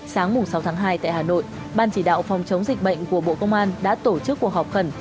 sáng sáu tháng hai tại hà nội ban chỉ đạo phòng chống dịch bệnh của bộ công an đã tổ chức cuộc họp khẩn